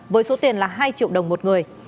với số tiền là hai triệu đồng một người